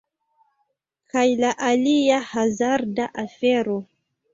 Kaj la alia hazarda afero...